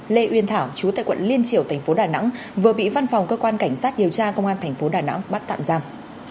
lê uyên thảo chú tại quận liên triểu tp đà nẵng vừa bị văn phòng cơ quan cảnh sát điều tra công an tp đà nẵng bắt tạm giam